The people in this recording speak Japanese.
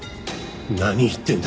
何言ってんだ。